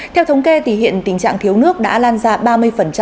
theo thống kê thì hiện tình trạng thiếu nước đã lan ra ba mươi